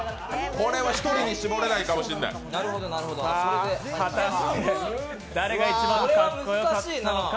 これは１人に絞れないかもしれない果たして誰が一番かっこよかったのか。